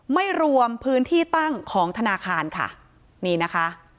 ไม่รวมพื้นที่ตั้งของธนาคารค่ะนี่นะคะ